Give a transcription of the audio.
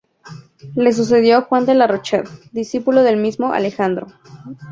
Le sucedió Juan de la Rochelle, discípulo del mismo Alejandro.